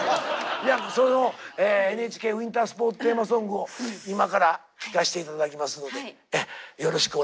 そのＮＨＫウィンタースポーツテーマソングを今から出して頂きますのでよろしくお願いいたします。